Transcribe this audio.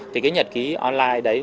thì cái nhật ký online đấy